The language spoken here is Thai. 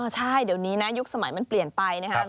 ใช่เดี๋ยวนี้นะยุคสมัยมันเปลี่ยนไปนะครับ